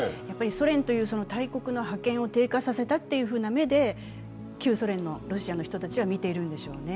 ソ連という大国の覇権を低下させたという目で旧ソ連のロシアの人たちは見ているんでしょうね。